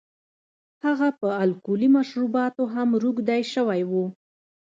هغه په الکولي مشروباتو هم روږدی شوی و.